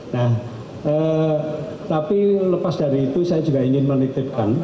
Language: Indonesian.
nah tapi lepas dari itu saya juga ingin menitipkan